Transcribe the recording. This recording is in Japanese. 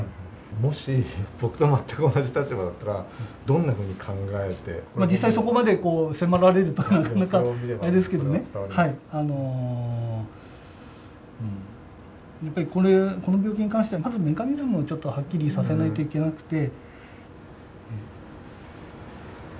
もし、僕と全く同じ立場だったら、実際そこまで迫られると、なかなかあれですけどね、やっぱりこの病気に関しては、まずメカニズムをちょっとはっきりさせないといけなくて。